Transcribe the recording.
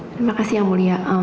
terima kasih yang mulia